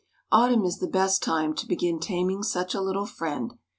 Autumn is the best time to begin taming such a little friend.